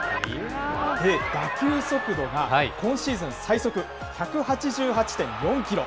打球速度が今シーズン最速１８８．４キロ。